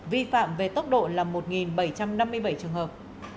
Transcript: vi phạm về tốc độ là một bảy trăm năm mươi bảy trường hợp